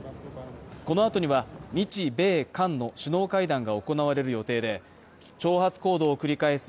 このあとには日米韓の首脳会談が行われる予定で、挑発行動を繰り返す